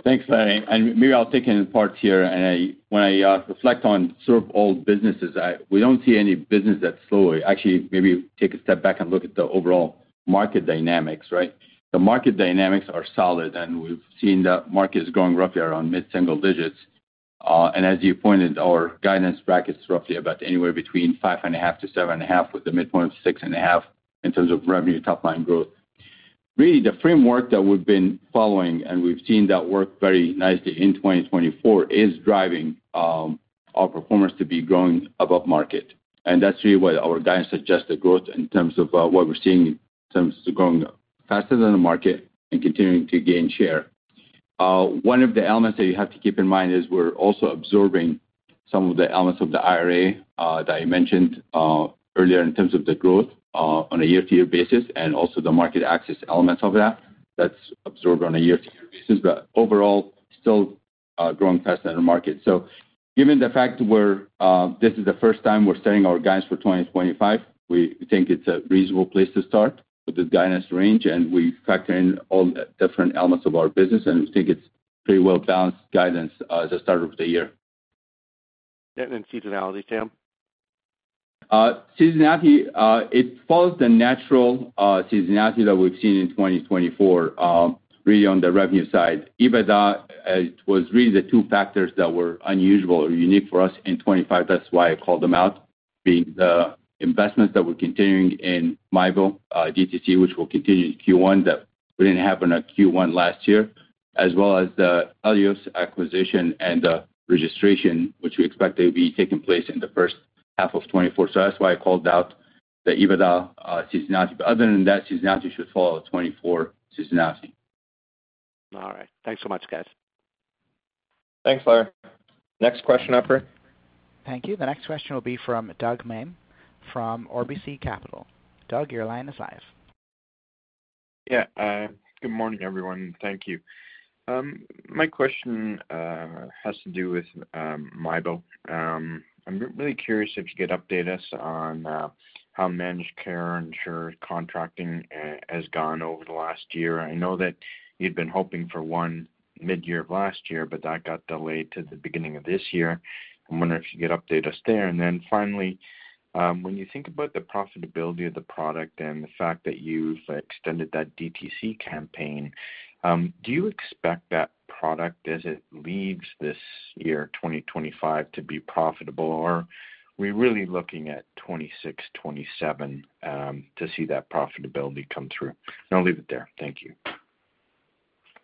Thanks, Larry. And maybe I'll take it in parts here. And when I reflect on sort of our businesses, we don't see any business that slowing. Actually, maybe take a step back and look at the overall market dynamics, right? The market dynamics are solid, and we've seen that market is growing roughly around mid-single digits, and as you pointed, our guidance bracket's roughly about anywhere between 5.5%-7.5% with the midpoint of 6.5% in terms of revenue top-line growth. Really, the framework that we've been following and we've seen that work very nicely in 2024 is driving our performance to be growing above market, and that's really what our guidance suggests: the growth in terms of what we're seeing in terms of growing faster than the market and continuing to gain share. One of the elements that you have to keep in mind is we're also absorbing some of the elements of the IRA that I mentioned earlier in terms of the growth on a year-to-year basis and also the market access elements of that. That's absorbed on a year-to-year basis, but overall, still growing faster than the market. So given the fact where this is the first time we're setting our guidance for 2025, we think it's a reasonable place to start with the guidance range, and we factor in all different elements of our business, and we think it's pretty well-balanced guidance at the start of the year. Yeah. And then seasonality, Sam? Seasonality, it follows the natural seasonality that we've seen in 2024, really on the revenue side. EBITDA it was really the two factors that were unusual or unique for us in 2025, that's why I called them out, being the investments that we're continuing in MIEBO DTC, which will continue in Q1 that we didn't have in Q1 last year, as well as the Elios acquisition and the registration, which we expect to be taking place in the first half of 2024. So that's why I called out the EBITDA seasonality. But other than that, seasonality should follow a 2024 seasonality. All right. Thanks so much, guys. Thanks, Larry. Next question up for him. Thank you. The next question will be from Doug Miehm from RBC Capital Markets. Doug, your line is live. Yeah. Good morning, everyone. Thank you. My question has to do with MIEBO. I'm really curious if you could update us on how managed care and insurance contracting has gone over the last year. I know that you'd been hoping for one mid-year of last year, but that got delayed to the beginning of this year. I'm wondering if you could update us there. And then finally, when you think about the profitability of the product and the fact that you've extended that DTC campaign, do you expect that product, as it leaves this year, 2025, to be profitable, or are we really looking at 2026, 2027 to see that profitability come through? And I'll leave it there. Thank you.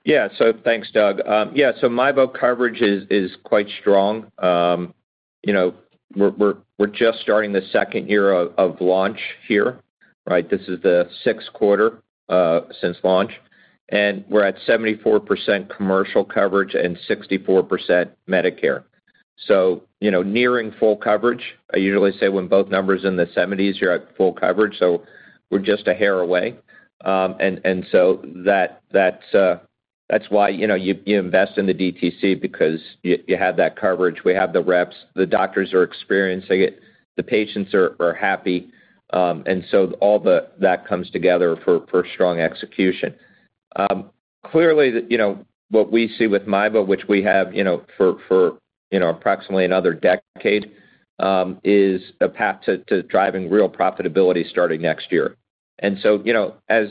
Yeah, so thanks, Doug. Yeah, so MIEBO coverage is quite strong. We're just starting the second year of launch here, right? This is the sixth quarter since launch. And we're at 74% commercial coverage and 64% Medicare. So nearing full coverage. I usually say when both numbers are in the 70s, you're at full coverage, so we're just a hair away, and so that's why you invest in the DTC because you have that coverage. We have the reps. The doctors are experiencing it. The patients are happy, and so all that comes together for strong execution. Clearly, what we see with MIEBO, which we have for approximately another decade, is a path to driving real profitability starting next year, and so as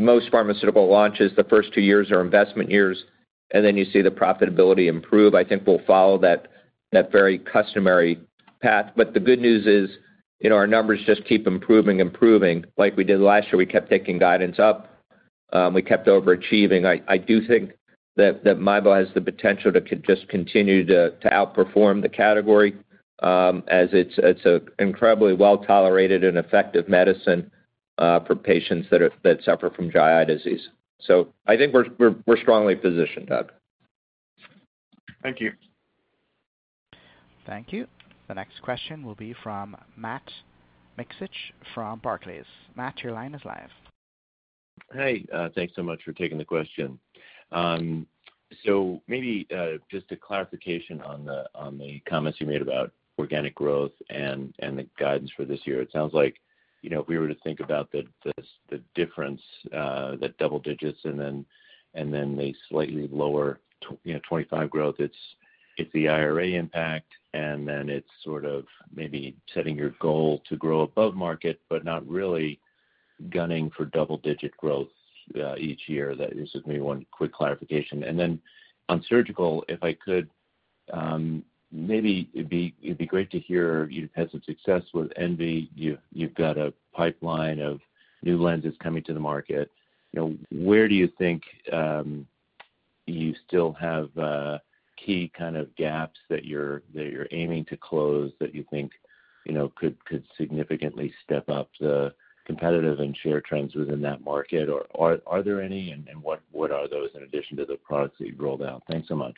most pharmaceutical launches, the first two years are investment years, and then you see the profitability improve. I think we'll follow that very customary path, but the good news is our numbers just keep improving, improving. Like we did last year, we kept taking guidance up. We kept overachieving. I do think that MIEBO has the potential to just continue to outperform the category as it's an incredibly well-tolerated and effective medicine for patients that suffer from dry eye disease. So I think we're strongly positioned, Doug. Thank you. Thank you. The next question will be from Matt Miksic from Barclays. Matt, your line is live. Hey. Thanks so much for taking the question. So maybe just a clarification on the comments you made about organic growth and the guidance for this year. It sounds like if we were to think about the difference, that double digits, and then the slightly lower 2%-5% growth, it's the IRA impact, and then it's sort of maybe setting your goal to grow above market, but not really gunning for double-digit growth each year. That is just maybe one quick clarification. And then on surgical, if I could, maybe it'd be great to hear you've had some success with Envy. You've got a pipeline of new lenses coming to the market. Where do you think you still have key kind of gaps that you're aiming to close that you think could significantly step up the competitive and share trends within that market? Or are there any, and what are those in addition to the products that you've rolled out? Thanks so much.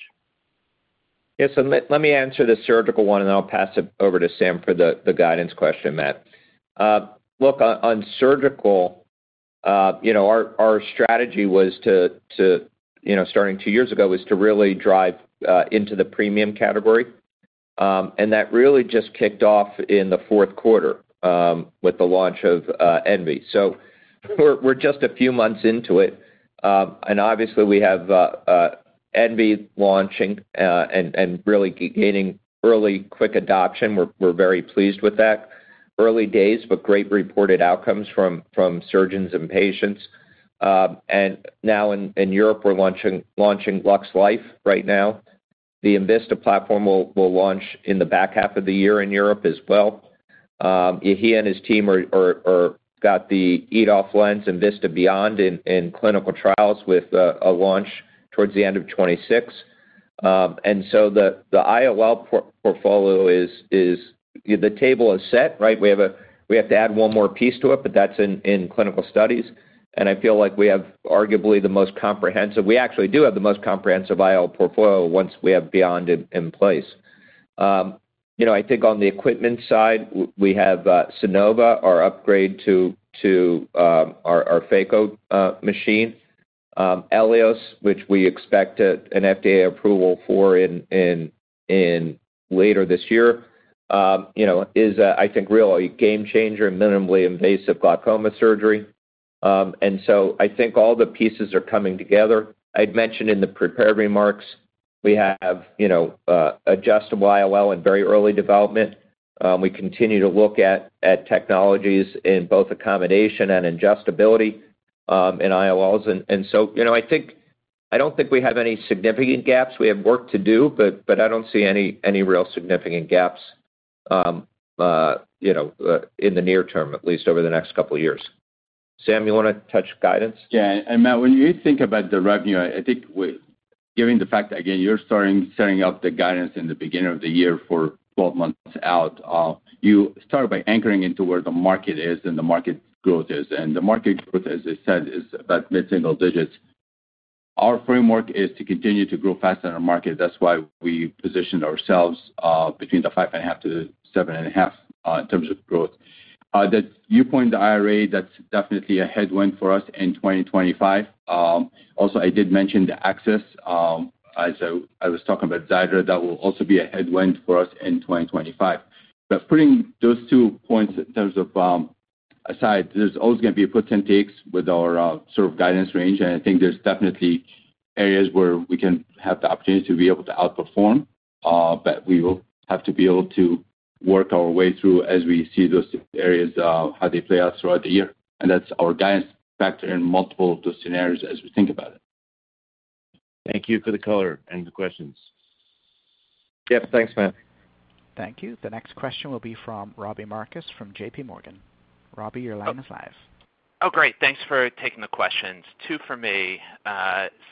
Yeah. So let me answer the surgical one, and I'll pass it over to Sam for the guidance question, Matt. Look, on surgical, our strategy was to, starting two years ago, was to really drive into the premium category. And that really just kicked off in the 4th quarter with the launch of Envy. So we're just a few months into it. And obviously, we have enVista Envy launching and really gaining early quick adoption. We're very pleased with that. Early days, but great reported outcomes from surgeons and patients. And now in Europe, we're launching LuxLife right now. The enVista platform will launch in the back half of the year in Europe as well. He and his team got the EDOF lens, enVista Beyond, in clinical trials with a launch towards the end of 2026. And so the IOL portfolio, the table is set, right? We have to add one more piece to it, but that's in clinical studies. And I feel like we have arguably the most comprehensive. We actually do have the most comprehensive IOL portfolio once we have Beyond in place. I think on the equipment side, we have [Stellaris Elite], our upgrade to our phaco machine. Elios, which we expect an FDA approval for later this year, is, I think, really a game-changer, minimally invasive glaucoma surgery. And so I think all the pieces are coming together. I'd mentioned in the prepared remarks, we have adjustable IOL in very early development. We continue to look at technologies in both accommodation and adjustability in IOLs. And so I think I don't think we have any significant gaps. We have work to do, but I don't see any real significant gaps in the near term, at least over the next couple of years. Sam, you want to touch guidance? Yeah. And Matt, when you think about the revenue, I think given the fact, again, you're starting setting up the guidance in the beginning of the year for 12 months out, you start by anchoring into where the market is and the market growth is. The market growth, as I said, is about mid-single digits. Our framework is to continue to grow faster than the market. That's why we positioned ourselves between 5.5%-7.5% in terms of growth. That you point to the IRA, that's definitely a headwind for us in 2025. Also, I did mention the access. As I was talking about Xiidra, that will also be a headwind for us in 2025. But putting those two points aside, there's always going to be a puts and takes with our sort of guidance range. I think there's definitely areas where we can have the opportunity to be able to outperform, but we will have to be able to work our way through as we see those areas, how they play out throughout the year. That's our guidance factor in multiple of those scenarios as we think about it. Thank you for the color and the questions. Yep. Thanks, Matt. Thank you. The next question will be from Robbie Marcus from JPMorgan. Robbie, your line is live. Oh, great. Thanks for taking the questions. Two for me.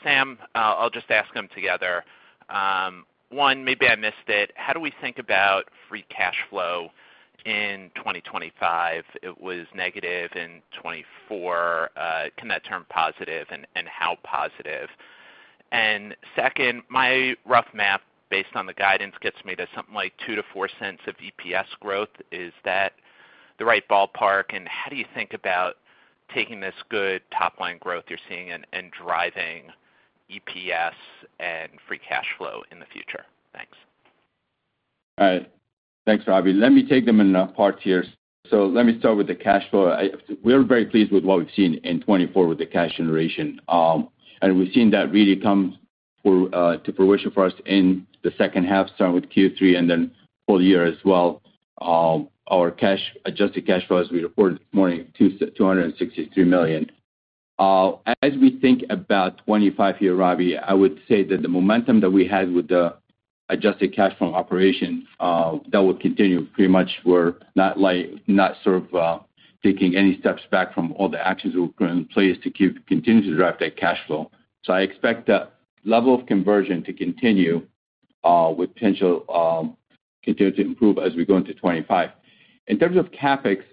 Sam, I'll just ask them together. One, maybe I missed it. How do we think about free cash flow in 2025? It was negative in 2024. Can that turn positive? And how positive? And second, my rough math based on the guidance gets me to something like $0.02-$0.04 of EPS growth. Is that the right ballpark? And how do you think about taking this good top-line growth you're seeing and driving EPS and free cash flow in the future? Thanks. All right. Thanks, Robbie. Let me take them in parts here. So let me start with the cash flow. We're very pleased with what we've seen in 2024 with the cash generation. And we've seen that really come to fruition for us in the second half, starting with Q3 and then full year as well. Our adjusted cash flow, as we reported this morning, is $263 million. As we think about 2025, Robbie, I would say that the momentum that we had with the adjusted cash flow operation, that will continue pretty much. We're not sort of taking any steps back from all the actions we've put in place to continue to drive that cash flow. So I expect that level of conversion to continue with potential to continue to improve as we go into 2025. In terms of CapEx,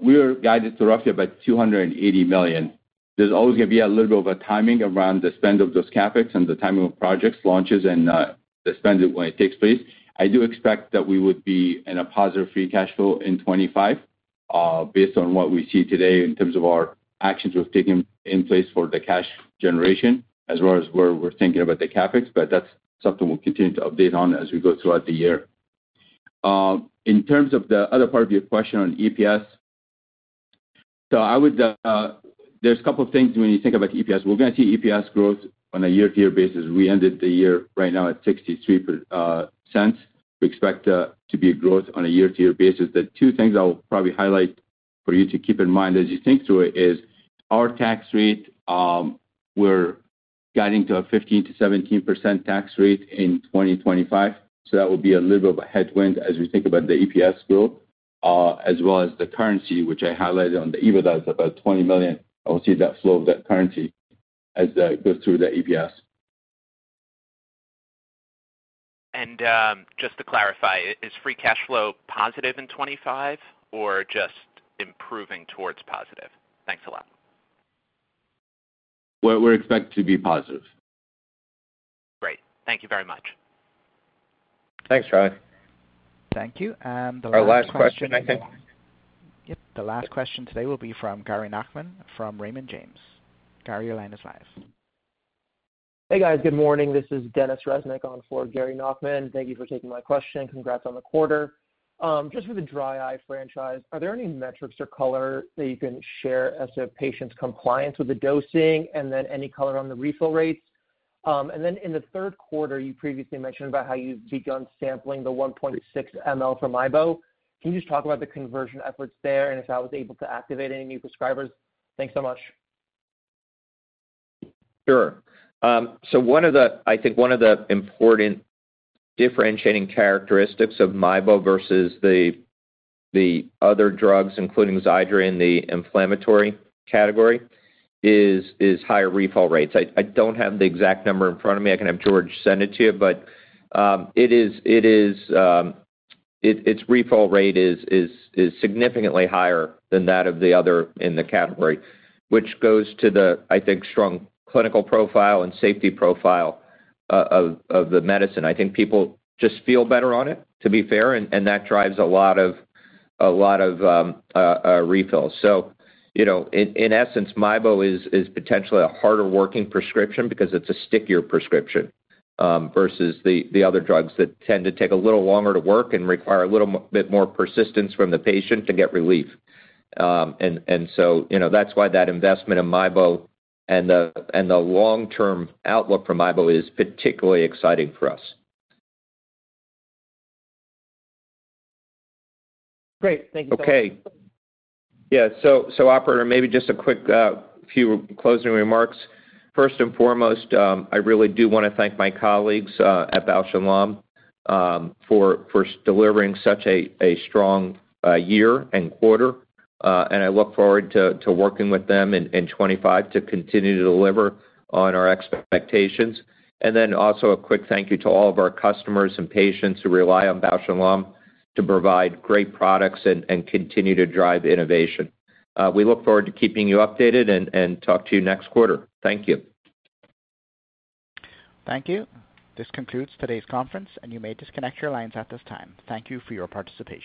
we are guided to roughly about $280 million. There's always going to be a little bit of a timing around the spend of those CapEx and the timing of projects, launches, and the spend when it takes place. I do expect that we would be in a positive free cash flow in 2025 based on what we see today in terms of our actions we've taken in place for the cash generation, as well as where we're thinking about the CapEx. But that's something we'll continue to update on as we go throughout the year. In terms of the other part of your question on EPS, so there's a couple of things when you think about EPS. We're going to see EPS growth on a year-to-year basis. We ended the year right now at $0.63. We expect to be a growth on a year-to-year basis. The two things I'll probably highlight for you to keep in mind as you think through it is our tax rate. We're guiding to a 15%-17% tax rate in 2025. So that will be a little bit of a headwind as we think about the EPS growth, as well as the currency, which I highlighted on the EBITDA is about $20 million. I will see that flow of that currency as it goes through the EPS. And just to clarify, is free cash flow positive in 2025 or just improving towards positive? Thanks a lot. We're expected to be positive. Great. Thank you very much. Thanks, [Robbie]. Thank you. And the last question, I think. Yep. The last question today will be from Gary Nachman from Raymond James. Gary, your line is live. Hey, guys. Good morning. This is Dennis Resnick on for Gary Nachman. Thank you for taking my question. Congrats on the quarter. Just for the dry eye franchise, are there any metrics or color that you can share as to patients' compliance with the dosing and then any color on the refill rates? And then in the 3rd quarter, you previously mentioned about how you've begun sampling the 1.6 mL for MIEBO. Can you just talk about the conversion efforts there and if that was able to activate any new prescribers? Thanks so much. Sure. So I think one of the important differentiating characteristics of MIEBO versus the other drugs, including XIIDRA, in the inflammatory category, is higher refill rates. I don't have the exact number in front of me. I can have George send it to you. But its refill rate is significantly higher than that of the other in the category, which goes to the, I think, strong clinical profile and safety profile of the medicine. I think people just feel better on it, to be fair. And that drives a lot of refills. So in essence, MIEBO is potentially a harder working prescription because it's a stickier prescription versus the other drugs that tend to take a little longer to work and require a little bit more persistence from the patient to get relief. And so that's why that investment in MIEBO and the long-term outlook for MIEBO is particularly exciting for us. Great. Thank you, sir. Okay. Yeah. So operator, maybe just a quick few closing remarks. First and foremost, I really do want to thank my colleagues at Bausch + Lomb for delivering such a strong year and quarter. And I look forward to working with them in 2025 to continue to deliver on our expectations. And then also a quick thank you to all of our customers and patients who rely on Bausch + Lomb to provide great products and continue to drive innovation. We look forward to keeping you updated and talk to you next quarter. Thank you. Thank you. This concludes today's conference, and you may disconnect your lines at this time. Thank you for your participation.